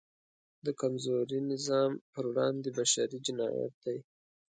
د کمزوري نظام پر وړاندې بشری جنایت دی.